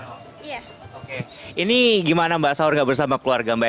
oke ini gimana mbak sahur gak bersama keluarga mbak